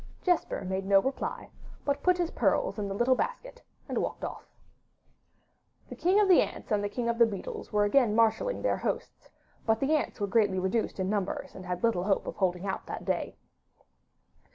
Jesper made no reply, but put his pearls in the little basket and walked off. The King of the Ants and the King of the Beetles were again marshalling their hosts, but the ants were greatly reduced in numbers, and had little hope of holding out that day.